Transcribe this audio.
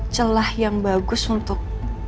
celah yang bagus untuk